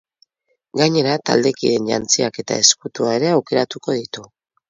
Gainera, taldekideen jantziak eta ezkutua ere aukeratuko ditu.